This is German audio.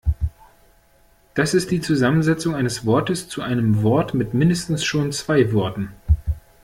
Das ist die Zusammensetzung eines Wortes zu einem Wort mit mindestens schon zwei Worten.